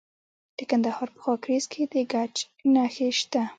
د کندهار په خاکریز کې د ګچ نښې شته.